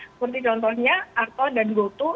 seperti contohnya arto dan goto